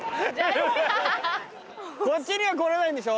こっちには来れないんでしょ？